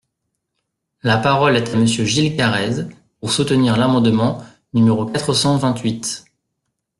La parole est à Monsieur Gilles Carrez, pour soutenir l’amendement numéro quatre cent vingt-huit.